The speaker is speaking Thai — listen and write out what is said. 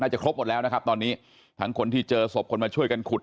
จะครบหมดแล้วนะครับตอนนี้ทั้งคนที่เจอศพคนมาช่วยกันขุด